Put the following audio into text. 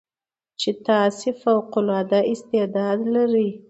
چې تاسې فوق العاده استعداد لرٸ